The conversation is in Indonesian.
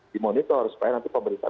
di monitor supaya nanti pemerintah